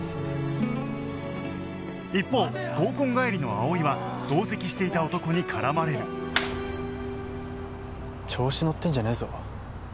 一方合コン帰りの葵は同席していた男に絡まれる調子のってんじゃねえぞ。